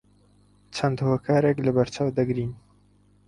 چەند هۆکارێک لەبەرچاو دەگرین